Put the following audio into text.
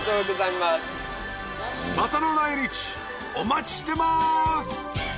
またの来日お待ちしてます